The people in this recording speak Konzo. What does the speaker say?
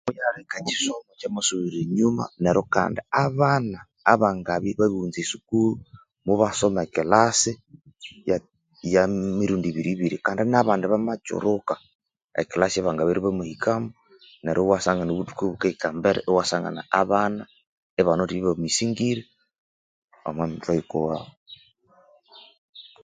Mubyaleka ekyisomo kyamasubirira enyuma neryo kandi abana aba ngabya ibabirighunza esukuru mubasoma ekilasi ya ya mirundi ibiri biri kandi nabandi bamakyuruka ekilasi eyabangabere ibamahikamu neryo iwasangana obuthuku obukahika embere iwasangana abana ibanawithe ebyaba misingire omwa mithwe yuku wabo